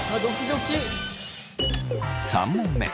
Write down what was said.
３問目。